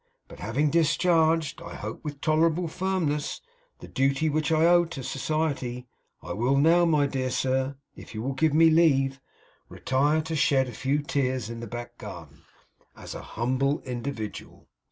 But having discharged I hope with tolerable firmness the duty which I owed to society, I will now, my dear sir, if you will give me leave, retire to shed a few tears in the back garden, as an humble individual.